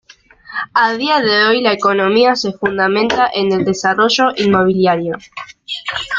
A día de hoy, la economía se fundamenta en el desarrollo inmobiliario.